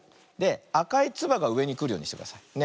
あかいつばがうえにくるようにしてください。ね。